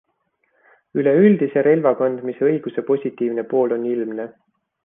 Üleüldise relvakandmise õiguse positiivne pool on ilmne.